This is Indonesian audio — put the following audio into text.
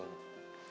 masa di sini aja